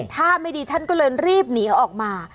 ถ้าไม่ดีท่านก็เลยรีบหนีออกมา